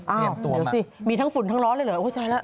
อ้าวเดี๋ยวสิมีทั้งฝุ่นทั้งร้อนเลยเหรอโอ้ยใช่แล้ว